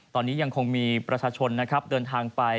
ตอนนี้ยังคงมีประชาชนนะครับเดินทางไป